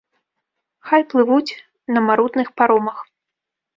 Хай плывуць на марудных паромах.